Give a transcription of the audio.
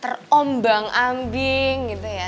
terombang ambing gitu ya